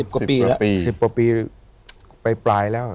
๑๐กว่าปีไปปลายแล้ว